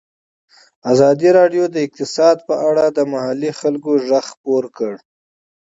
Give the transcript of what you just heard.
ازادي راډیو د اقتصاد په اړه د محلي خلکو غږ خپور کړی.